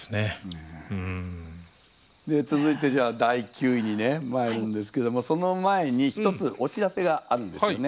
続いてじゃあ第９位にねまいるんですけどもその前に一つお知らせがあるんですよね。